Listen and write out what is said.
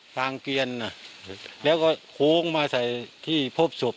ทางเกียรน่ะแล้วก็โค้งมาใส่ที่พบสุบ